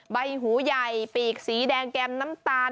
ใบหูใหญ่ปีกสีแดงแก้มน้ำตาล